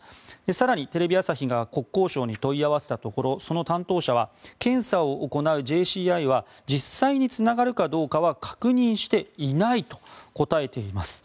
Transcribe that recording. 更にテレビ朝日が国交省に問い合わせたところその担当者は検査を行うＪＣＩは実際につながるかどうかは確認していないと答えています。